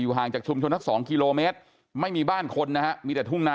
ห่างจากชุมชนสัก๒กิโลเมตรไม่มีบ้านคนนะฮะมีแต่ทุ่งนา